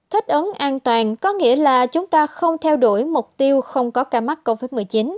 thích ấn an toàn có nghĩa là chúng ta không theo đuổi mục tiêu không có ca mắc covid một mươi chín